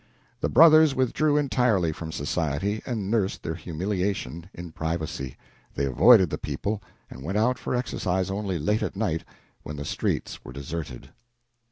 The brothers withdrew entirely from society, and nursed their humiliation in privacy. They avoided the people, and went out for exercise only late at night, when the streets were deserted.